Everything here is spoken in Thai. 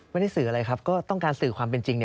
ไม่ได้สื่ออะไรครับก็ต้องการสื่อความเป็นจริง